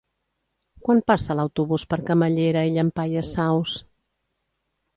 Quan passa l'autobús per Camallera i Llampaies Saus?